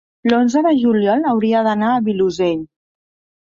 l'onze de juliol hauria d'anar al Vilosell.